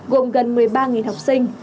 gồm gần một mươi ba học sinh